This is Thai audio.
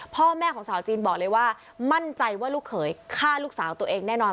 พ่อแม่ของสาวจีนบอกเลยว่ามั่นใจว่าลูกเขยฆ่าลูกสาวตัวเองแน่นอน